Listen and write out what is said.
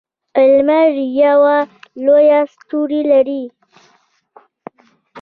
لمر یوه لویه ستوری ده